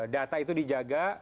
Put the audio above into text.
data itu dijaga